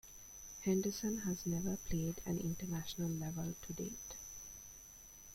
Henderson has never played at international level to date.